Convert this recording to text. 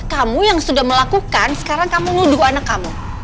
kamu yang sudah melakukan sekarang kamu nuduh anak kamu